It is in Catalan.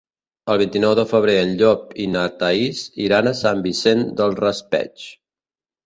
El vint-i-nou de febrer en Llop i na Thaís iran a Sant Vicent del Raspeig.